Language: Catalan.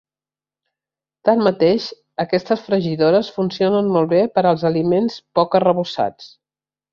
Tanmateix, aquestes fregidores funcionen molt bé per als aliments poc arrebossats.